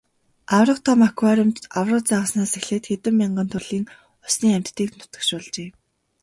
Аварга том аквариумд аварга загаснаас эхлээд хэдэн мянган төрлийн усны амьтдыг нутагшуулжээ.